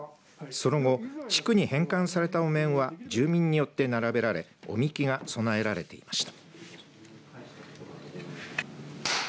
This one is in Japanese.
その後地区に返還されたお面は住民によって並べられお神酒が供えられていました。